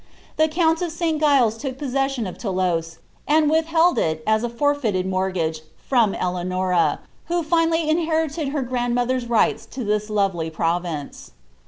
The count St Gilles took possession of Thoulouse, and withheld it, as a forfeited mortgage, from Eleanora, who finally inherited her grandmother^s rights to this lovely province.